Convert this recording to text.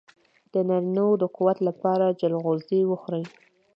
د نارینه وو د قوت لپاره چلغوزي وخورئ